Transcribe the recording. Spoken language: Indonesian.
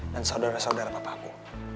dan saudara saudara papa aku